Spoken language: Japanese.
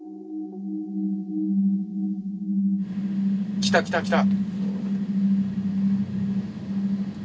来た来た来た！